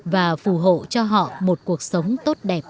và phù hộ cho họ một cuộc sống tốt đẹp hạnh phúc